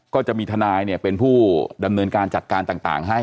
ก็จะมีทนายเป็นผู้ดำเนินการจัดการต่างให้